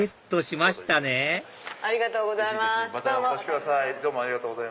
またお越しください。